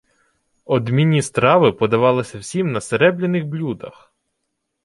«Одмінні страви подавалися всім на серебляних блюдах.